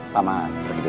paman pergi dulu